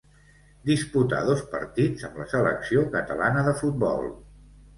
Disputà dos partits amb la selecció catalana de futbol.